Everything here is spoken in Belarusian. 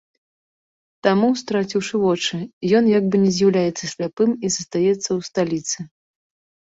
Таму, страціўшы вочы, ён як бы не з'яўляецца сляпым і застаецца ў сталіцы.